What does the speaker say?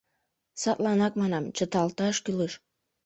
Садланак манам: чыталташ кӱлеш.